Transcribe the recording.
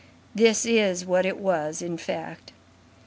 This is what it was, in fact.